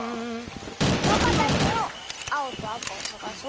このかたちのあおとあかをさがそう。